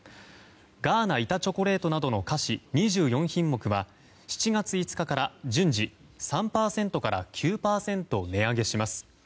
ガーナ板チョコレートなどの菓子２４品目は７月５日から順次３％から９％値上げします。